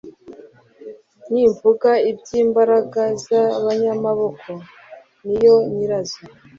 nimvuga iby’imbaraga z’abanyamaboko ni yo nyirazo,